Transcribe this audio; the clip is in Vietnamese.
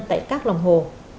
tại các lòng hồ